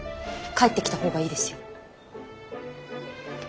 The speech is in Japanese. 帰ってきた方がいいですよ。